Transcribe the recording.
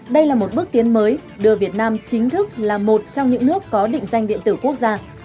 đây là một bước tiến mới đưa việt nam chính thức là một trong những nước có định danh điện tử quốc gia